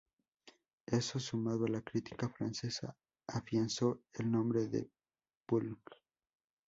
Eso, sumado a la crítica francesa, afianzó el nombre de Puig.